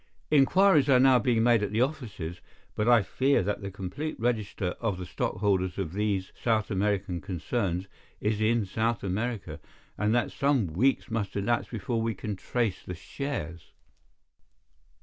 "Inquiries are now being made at the offices, but I fear that the complete register of the stockholders of these South American concerns is in South America, and that some weeks must elapse before we can trace the shares."